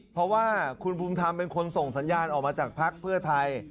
เพราะว่าคุณภูมิธรรมเป็นคนส่งสัญญาณออกมาจากภักดิ์เพื่อไทย